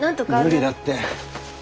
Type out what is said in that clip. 無理だって。